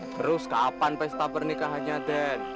terus kapan pesta pernikahannya den